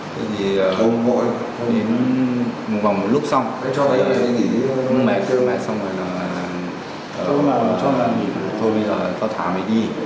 thế thì vòng một lúc xong mẹ kêu mẹ xong rồi là thôi bây giờ tao thả mày đi